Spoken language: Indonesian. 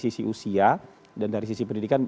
sisi usia dan dari sisi pendidikan